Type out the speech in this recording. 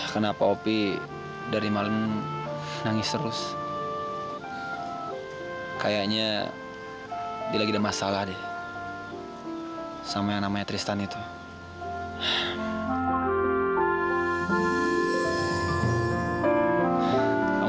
kamu harus minta syukur masih punya orang tua